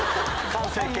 完成形。